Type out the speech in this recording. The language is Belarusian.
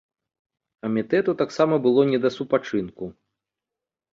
Камітэту таксама было не да супачынку.